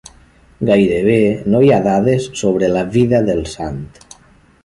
Gairebé no hi ha dades sobre la vida del sant.